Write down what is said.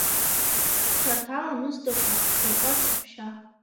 Шәарҭ аламысдақәа, шәылҟәаҵ саҳәшьа!